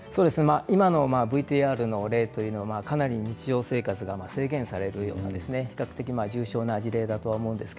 今のＶＴＲの例はかなり日常生活も制限されている比較的重症な事例だと思います。